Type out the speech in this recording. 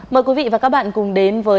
mời quý vị và các bạn cùng đến với